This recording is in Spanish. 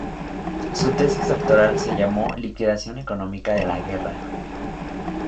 Su tesis doctoral se llamó "Liquidación económica de la Guerra".